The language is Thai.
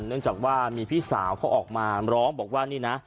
เนื่องจากว่ามีพี่สาวเขาออกมาร้องบอกว่านี่นะ